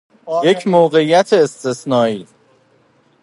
یک موقعیت استثنایی